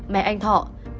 mẹ anh thọ